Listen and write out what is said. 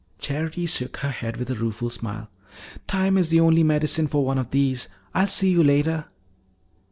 Charity shook her head with a rueful smile. "Time is the only medicine for one of these. I'll see you later."